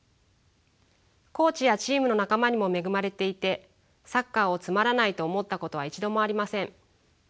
コーチやチームの仲間にも恵まれていてサッカーをつまらないと思ったことは一度もありません。